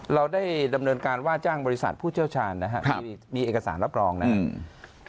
เราได้ดำเนินการว่าจ้างบริษัทผู้เชี่ยวชาญนะครับมีเอกสารรับรองนะครับ